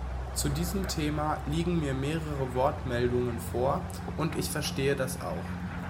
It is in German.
Zu diesem Thema liegen mir mehrere Wortmeldungen vor, und ich verstehe das auch.